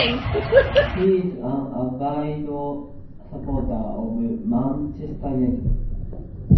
He is an avid supporter of Manchester United.